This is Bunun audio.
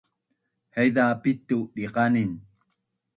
Haiza pitu diqanin